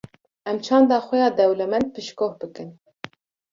em çanda xwe ya dewlemed piştgoh bikin.